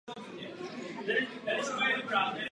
Brzy samostatně nastudoval množství literatury.